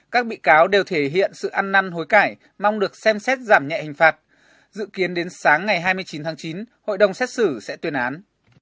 các bị cáo đều thể hiện sự ăn năn hối cải mong được xem xét giảm nhẹ hình phạt dự kiến đến sáng ngày hai mươi chín tháng chín hội đồng xét xử sẽ tuyên án